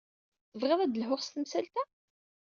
Tebɣiḍ ad d-lhuɣ s temsalt-a?